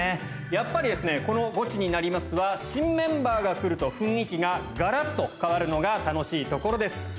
やっぱりこの「ゴチになります！」は新メンバーが来ると雰囲気ががらっと変わるのが楽しいところです。